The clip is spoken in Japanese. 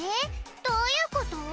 どういうこと？